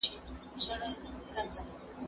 ما د سبا لپاره د ليکلو تمرين کړی دی